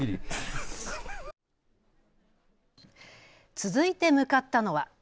続いて向かったのは。